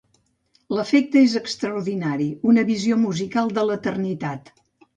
L'efecte és extraordinari: una visió musical de l'eternitat.